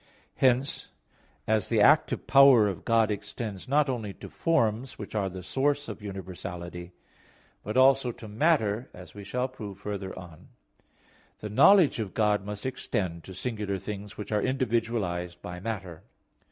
Hence as the active power of God extends not only to forms, which are the source of universality, but also to matter, as we shall prove further on (Q. 44, A. 2), the knowledge of God must extend to singular things, which are individualized by matter.